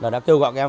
đã kêu gọi các em